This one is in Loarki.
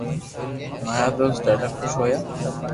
مارا دوست ڌاڌا خوݾ ھويا